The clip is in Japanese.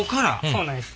そうなんです。